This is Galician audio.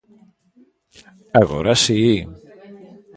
Agora si.